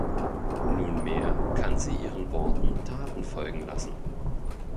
Nunmehr kann sie ihren Worten Taten folgen lassen.